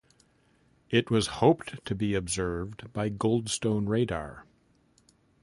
It was hoped to be observed by Goldstone radar.